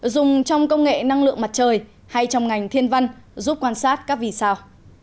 dùng trong công nghệ năng lượng mặt trời hay trong ngành thiên văn giúp quan sát các vì sao